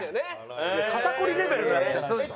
いや肩こりレベルのやつじゃないですか。